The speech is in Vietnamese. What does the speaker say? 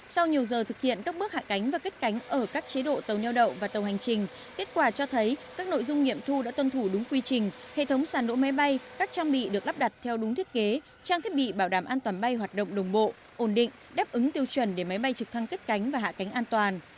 sau nhiều giờ thực hiện các bước hạ cánh và cất cánh ở các chế độ tàu nheo đậu và tàu hành trình kết quả cho thấy các nội dung nghiệm thu đã tuân thủ đúng quy trình hệ thống sàn đỗ máy bay các trang bị được lắp đặt theo đúng thiết kế trang thiết bị bảo đảm an toàn bay hoạt động đồng bộ ổn định đáp ứng tiêu chuẩn để máy bay trực thăng cất cánh và hạ cánh an toàn